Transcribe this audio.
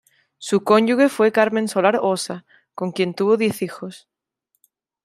Su cónyuge fue Carmen Solar Ossa, con quien tuvo diez hijos.